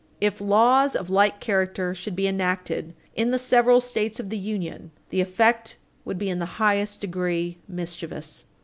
If laws of like character should be enacted in the several States of the Union, the effect would be in the highest degree mischievous.